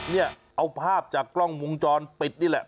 เนี่ยเอาภาพจากกล้องวงจรปิดนี่แหละ